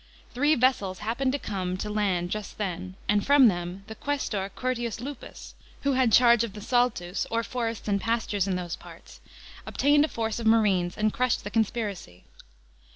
Three vessels happened to come to land just then, and from them the quaestor Curtius Lupus (who had charge of the saltus, or forests and pastures in those parts) obtained a force of marines and crushed the conspiracy.